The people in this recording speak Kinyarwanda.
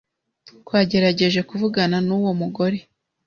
Twagerageje kuvugana n’uwo mugore